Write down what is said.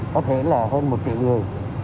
có thể là hơn một triệu người